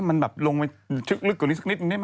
จากกระแสของละครกรุเปสันนิวาสนะฮะ